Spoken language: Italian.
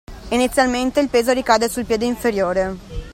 Inizialmente il peso ricade sul piede inferiore